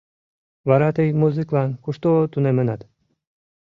Вара тый музыклан кушто тунемынат?